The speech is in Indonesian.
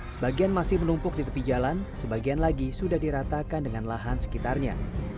sebagian masih menumpuk di tepi jalan sebagian lagi sudah diratakan dengan lahan sekitarnya